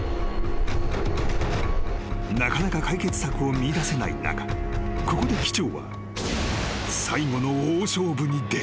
［なかなか解決策を見いだせない中ここで機長は最後の大勝負に出る］